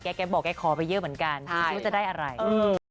แกแกบอกแกขอไปเยอะเหมือนกันใช่จะได้อะไรอืม